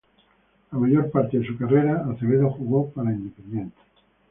La mayor parte de su carrera Acevedo jugó para Independiente.